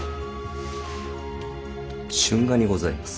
春画にございます。